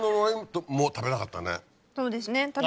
そうですね。